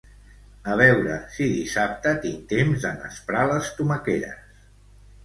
A veure si dissabte tinc temps de nasprar les tomaqueres